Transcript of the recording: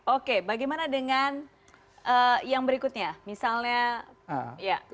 oke bagaimana dengan yang berikutnya misalnya